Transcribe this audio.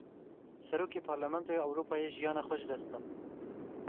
Serokê Parlamentoya Ewropayê jiyana xwe ji dest da.